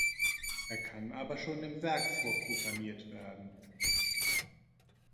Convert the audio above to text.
Er kann aber schon im Werk vorprogrammiert werden.